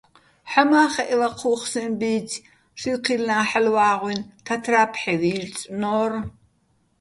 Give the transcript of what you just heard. ჰ̦ამა́ხეჸ ვაჴჴუ́ხ სეჼ ბი́ძ შირქილნა́ ჰ̦ალო̆ ვა́ღუჲნი̆ თათრა́ ფჰ̦ე ვი́რწნო́რ.